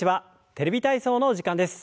「テレビ体操」の時間です。